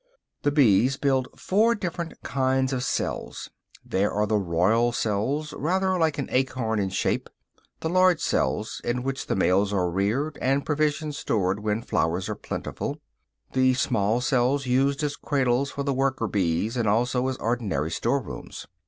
The bees build four different kinds of cells. There are the royal cells, rather like an acorn in shape; the large cells in which the males are reared, and provisions stored when flowers are plentiful; the small cells used as cradles for the workerbees and also as ordinary store rooms.